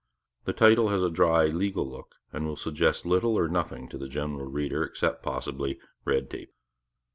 The title has a dry, legal look, and will suggest little or nothing to the general reader except, possibly, red tape.